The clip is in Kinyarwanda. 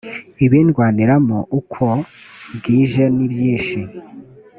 ibindwaniramo uko bwijen nibyinshi